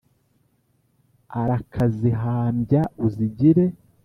arakazihambya uzigire.